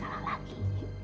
udah gak salah lagi